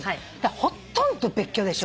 ほとんど別居でしょ？